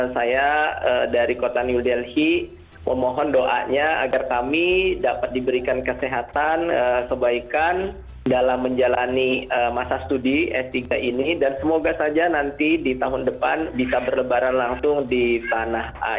saya ingin menyampaikan kepada keluarga saya yang ada di martapura kalimantan selatan